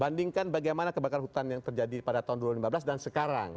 bandingkan bagaimana kebakaran hutan yang terjadi pada tahun dua ribu lima belas dan sekarang